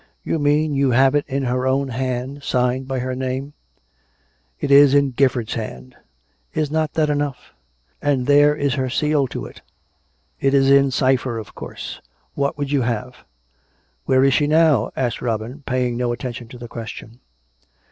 " You mean, you have it in her own hand, signed by her name ?"" It is in Gifford's hand ! Is not that enough ? And there is her seal to it. It is in cypher, of course. What would you have.'' "" Where is she now.^ " asked Robin, paying no attention to the question.